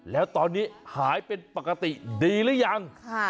แล้วตอนนี้หายเป็นปกติดีหรือยัง